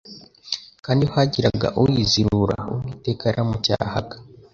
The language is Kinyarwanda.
Kandi iyo hagiraga uyizirura, Uwiteka yaramucyahaga